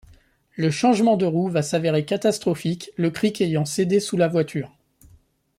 Le changement de roue va s'avérer catastrophique, le cric ayant cédé sous la voiture.